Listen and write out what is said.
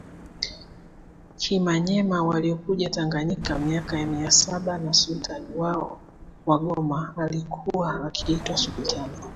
kimanyema waliokuja tanganyika Miaka ya Mia saba Na sultani wao wagoma alikuwa akiitwa sultani